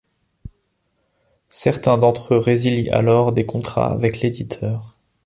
Certains d'entre-eux résilient alors des contrats avec l'éditeur.